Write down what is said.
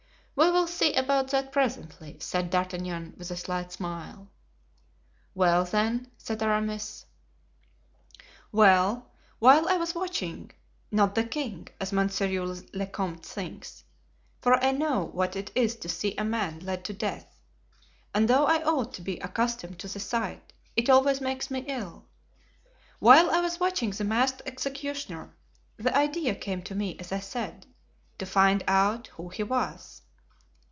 "We will see about that presently," said D'Artagnan, with a slight smile. "Well, then?" said Aramis. "Well, while I was watching—not the king, as monsieur le comte thinks, for I know what it is to see a man led to death, and though I ought to be accustomed to the sight it always makes me ill—while I was watching the masked executioner, the idea came to me, as I said, to find out who he was.